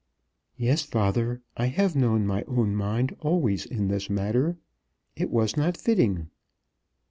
"Yes, father; I have known my own mind always in this matter. It was not fitting."